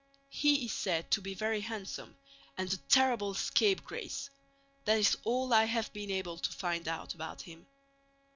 He is said to be very handsome and a terrible scapegrace. That is all I have been able to find out about him.